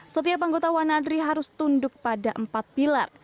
setiap anggota wanadri harus tunduk pada empat pilar